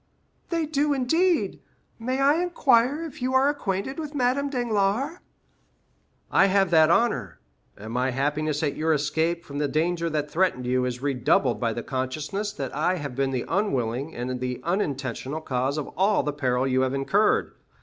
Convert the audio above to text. "They do, indeed. May I inquire if you are acquainted with Madame Danglars?" 20351m "I have that honor; and my happiness at your escape from the danger that threatened you is redoubled by the consciousness that I have been the unwilling and the unintentional cause of all the peril you have incurred.